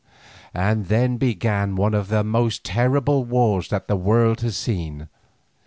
And then began one of the most terrible wars that the world has seen.